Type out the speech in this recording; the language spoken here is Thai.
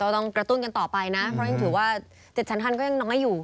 ต้องกระตุ้นกันต่อไปนะเพราะยังถือว่า๗ชั้นก็ยังน้อยอยู่